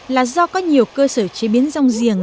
là do có nhiều cơ sở chế biến rong giềng